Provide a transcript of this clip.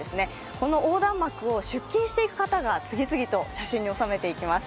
この横断幕を出勤していく方が次々と写真に収めていきます。